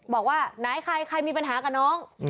บอกว่าไหนใครใครมีปัญหากับน้อง